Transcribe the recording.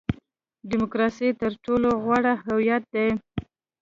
ډیموکراسي تر ټولو غوره هویت دی.